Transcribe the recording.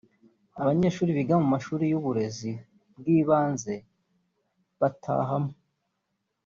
abanyeshuri biga mu mashuri y’uburezi bw’ibanze batahamo